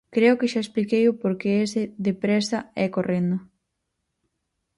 Creo que xa expliquei o por que ese de présa é correndo.